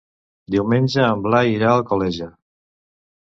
Diumenge en Blai irà a Alcoleja.